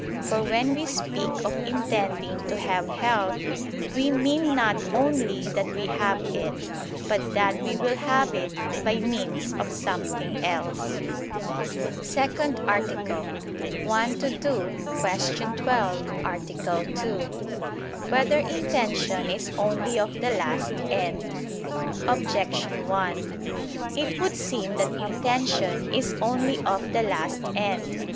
For when we speak of intending to have health, we mean not only that we have it, but that we will have it by means of something else. ________________________ SECOND ARTICLE [I II, Q. 12, Art. 2] Whether Intention Is Only of the Last End? Objection 1: It would seem that intention is only of the last end.